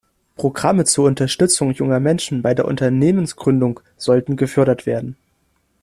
Programme zur Unterstützung junger Menschen bei der Unternehmensgründung sollten gefördert werden.